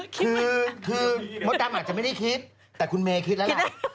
คือมดดำอาจจะไม่ได้คิดแต่คุณเมย์คิดแล้วแหละ